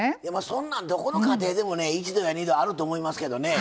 そんなんどこの家庭でもね一度や二度あると思いますけどね。